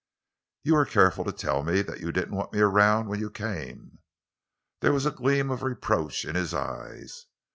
"You were careful to tell me that you didn't want me around when you came." There was a gleam of reproach in his eyes.